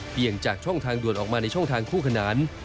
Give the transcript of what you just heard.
จากช่องทางด่วนออกมาในช่องทางคู่ขนาน